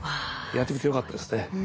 やってみてよかったですね。